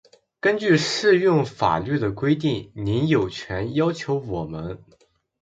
根据适用法律的规定，您有权要求我们：